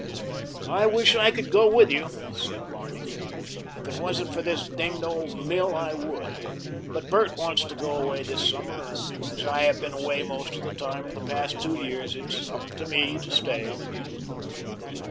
"I wish I could go with you," said Barney. "If it wasn't for this dinged old mill I would; but Bert wants to go away this summer, and as I have been away most of the time for the past two years, it's up to me to stay."